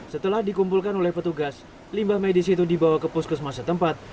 setelah dikumpulkan oleh petugas limbah medis itu dibawa ke puskesmas setempat